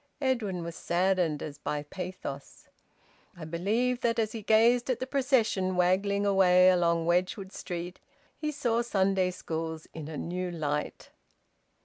Edwin was saddened as by pathos. I believe that as he gazed at the procession waggling away along Wedgwood Street he saw Sunday schools in a new light.